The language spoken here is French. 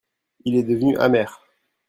Il est devenu amer.